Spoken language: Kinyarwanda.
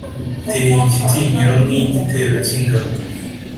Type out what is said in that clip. Uteye igitinyiro nk’igitero cy’ingabo.